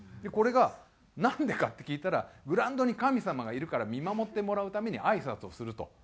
これがなんでかって聞いたらグラウンドに神様がいるから見守ってもらうために挨拶をすると。